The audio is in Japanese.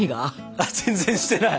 あっ全然してない！